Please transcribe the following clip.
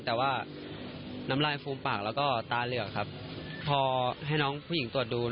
แต่ว่าน้ำลายฟูมปากแล้วก็ตาเหลือกครับพอให้น้องผู้หญิงตรวจดู